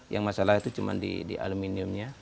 yang masalah itu cuma di aluminiumnya